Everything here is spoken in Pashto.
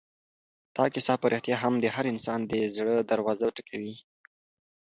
دا کیسه په رښتیا هم د هر انسان د زړه دروازه ټکوي.